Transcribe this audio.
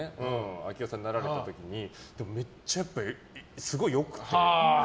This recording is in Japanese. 明夫さんになられた時にめっちゃ良くて。